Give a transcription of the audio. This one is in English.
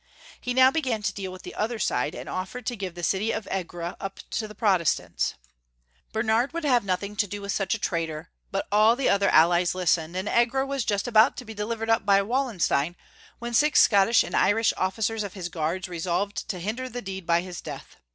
He now began to deal with the other side, and offered to give the city of Egra up to the Protestants. Bern 348 Young Folks'* History of Germany. hard would have nothing to do with such a traitor, but the other allies listened, and Egra was just about to be delivered up by Wallenstien, when six Scottish and Irish officers of his guards resolved to hinder the deed by liis death.